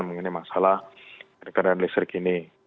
mengenai masalah kendaraan listrik ini